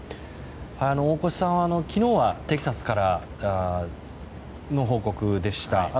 大越さんは、昨日はテキサスからの報告でした。